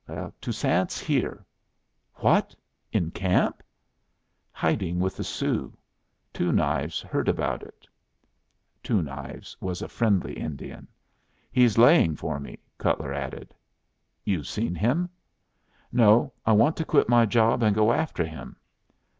"Toussaint's here." "What! in camp?" "Hiding with the Sioux. Two Knives heard about it." (Two Knives was a friendly Indian.) "He's laying for me," Cutler added. "You've seen him?" "No. I want to quit my job and go after him."